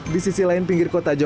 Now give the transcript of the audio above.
di sisi lain pinggir kota jogja